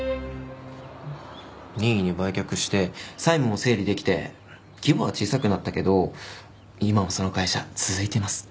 任意に売却して債務も整理できて規模は小さくなったけど今もその会社続いています。